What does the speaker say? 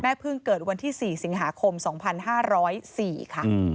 เพิ่งเกิดวันที่๔สิงหาคม๒๕๐๔ค่ะ